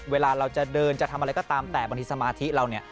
เวลาเราจะเดินจะทำอะไรก็ตามแต่บางทีสมาธิเราเนี่ย